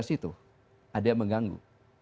empat ratus sebelas itu ada yang mengganggu